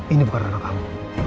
ini bukan karena kamu